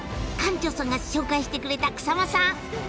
館長さんが紹介してくれた草間さん。